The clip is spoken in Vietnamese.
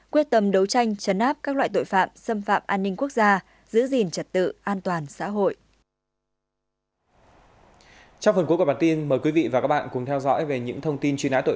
quyết tâm đấu tranh chấn áp các loại tội phạm xâm phạm an ninh quốc gia giữ gìn trật tự an toàn xã hội